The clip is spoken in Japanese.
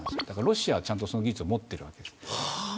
ロシアは、ちゃんとその技術を持っているわけです。